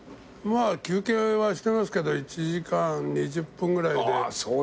まあ休憩はしてますけど１時間２０分ぐらいで７，０００歩。